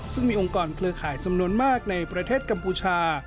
ซึ่งมีองค์กรเครือข่ายจำนวนมากในประเทศกัมพูชา